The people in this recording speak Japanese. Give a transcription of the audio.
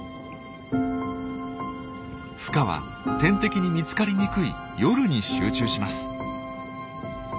ふ化は天敵に見つかりにくい夜に集中します。